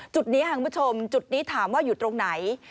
จุดนี้ค่ะคุณผู้ชมจุดนี้ถามว่าอยู่ตรงไหน